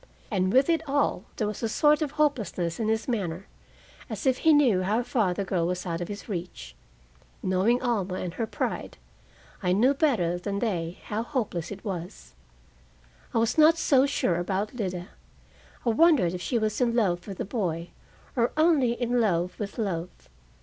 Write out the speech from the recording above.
And with it all, there was a sort of hopelessness in his manner, as if he knew how far the girl was out of his reach. Knowing Alma and her pride, I knew better than they how hopeless it was. I was not so sure about Lida. I wondered if she was in love with the boy, or only in love with love.